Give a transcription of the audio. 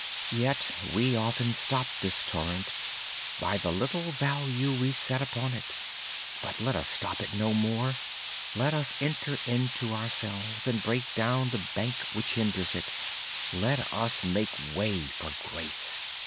Yet we often stop this torrent by the little value we set upon it. Let us stop it no more. Let us enter into ourselves and break down the bank which hinders it. Let us make way for grace.